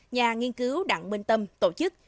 nhà nghiên cứu đặng minh tâm tổ chức